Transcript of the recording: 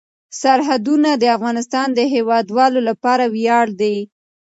سرحدونه د افغانستان د هیوادوالو لپاره ویاړ دی.